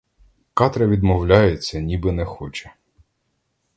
Катря відмовляється, ніби не хоче.